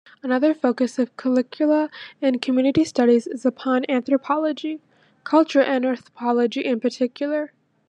Another focus of curricula in community studies is upon anthropology, cultural anthropology in particular.